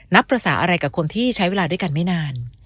ภาษาอะไรกับคนที่ใช้เวลาด้วยกันไม่นาน